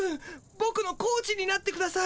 ボクのコーチになってください。